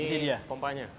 ini dia pompanya